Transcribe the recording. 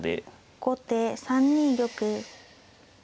後手３二玉。